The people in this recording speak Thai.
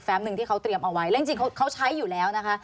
หนึ่งที่เขาเตรียมเอาไว้แล้วจริงเขาใช้อยู่แล้วนะคะ